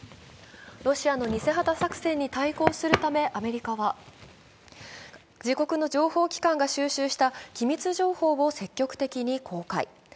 ロシアの偽旗作戦に対抗するためアメリカは、自国の情報機関が収集した機密情報を積極的に公開。